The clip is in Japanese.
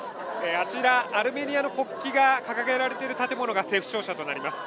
あちら、アルメニアの国旗が掲げられているのが政府庁舎となります